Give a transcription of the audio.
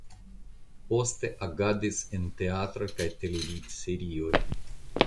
Poste agadis en teatro kaj televidserioj.